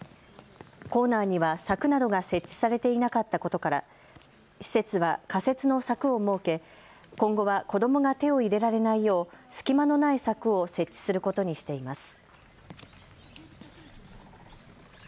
コーナーには柵などが設置されていなかったことから施設は仮設の柵を設け、今後は子どもが手を入れられないよう隙間のない柵を設置することにしています。